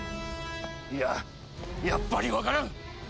いややっぱりわからん！